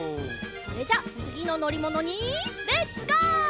それじゃあつぎののりものにレッツゴー！